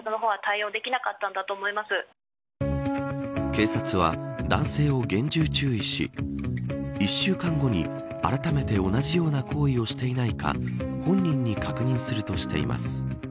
警察は、男性を厳重注意し１週間後にあらためて同じような行為をしていないか本人に確認するとしています。